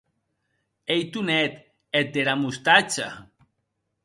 Ei Tonet eth dera mostacha!